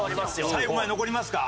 最後まで残りますか？